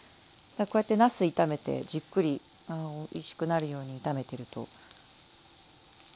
こうやってなす炒めてじっくりおいしくなるように炒めてると。